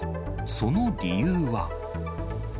その理由は。